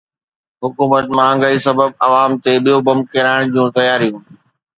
حڪومت مهانگائي سبب عوام تي ٻيو بم ڪيرائڻ جون تياريون